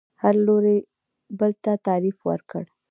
هر لوري بل ته تعریف ورکړ